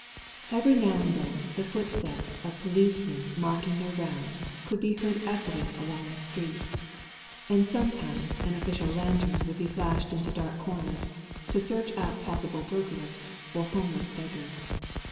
Every now and then the footsteps of policemen making their rounds, could be heard echoing along the streets, and sometimes an official lantern would be flashed into dark comers to search out possible burglars or homeless beggars.